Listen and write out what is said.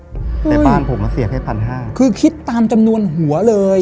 ในบ้านผมอ่ะเสียแค่พันห้าคือคิดตามจำนวนหัวเลย